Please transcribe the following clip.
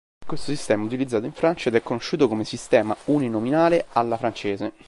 Questo sistema è utilizzato in Francia ed è conosciuto come sistema uninominale "alla francese".